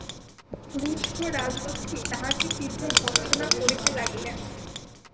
রুষ্ট রাজলক্ষ্মী তাহাকে তীব্র ভর্ৎসনা করিতে লাগিলেন।